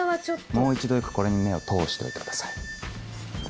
もう一度よくこれに目を通しておいてください。